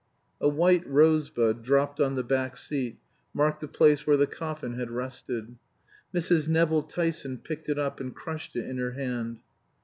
A white rosebud, dropped on the back seat, marked the place where the coffin had rested. Mrs. Nevill Tyson picked it up and crushed it in her hand.